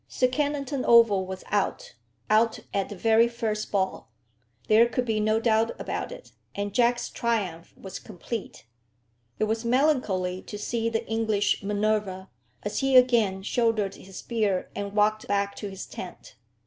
Sir Kennington Oval was out, out at the very first ball. There could be no doubt about it, and Jack's triumph was complete. It was melancholy to see the English Minerva, as he again shouldered his spear and walked back to his tent.